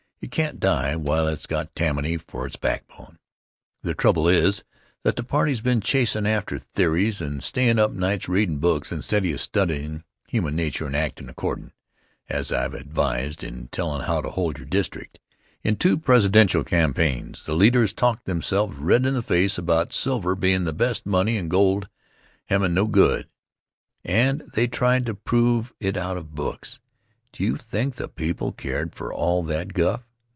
It can't die while it's got Tammany for its backbone. The trouble is that the party's been chasm' after theories and stayin' up nights readin' books instead of studyin' human nature and actin' accordin', as I've advised in tellin' how to hold your district. In two Presidential campaigns, the leaders talked themselves red in the face about silver bein' the best money and gold hem' no good, and they tried to prove it out of books. Do you think the people cared for all that guff?